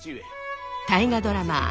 大河ドラマ